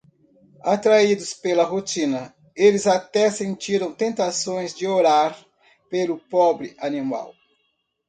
Atraídos pela rotina, eles até sentiram tentações de orar pelo pobre animal.